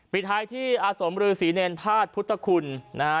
ปิดท้ายที่อาสมรือศรีเนรพาสพุทธคุณนะฮะ